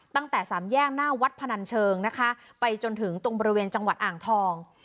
ตั้งแต่สามแยกหน้าวัดพนันเชิงนะคะไปจนถึงตรงบริเวณจังหวัดอ่างทอง